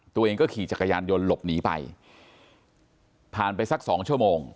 ตัวเองก็ขี่จักรยานยนต์หลบหนีไปผ่านไปสักสองชั่วโมง